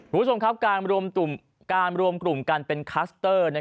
คุณผู้ชมครับการรวมกลุ่มกันเป็นคลัสเตอร์